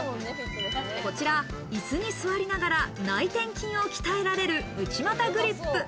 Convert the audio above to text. こちら、椅子に座りながら、内転筋を鍛えられる内股グリップ。